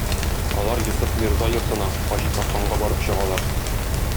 Алар Йосыф мирза йортына, Хаҗитарханга барып чыгалар.